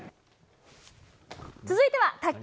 続いては卓球。